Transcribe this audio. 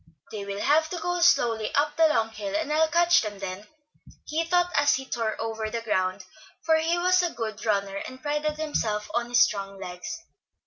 "They will have to go slowly up the long hill, and I'll catch them then," he thought as he tore over the ground, for he was a good runner and prided himself on his strong legs.